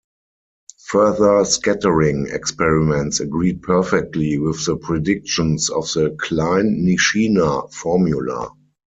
Further scattering experiments agreed perfectly with the predictions of the Klein-Nishina formula.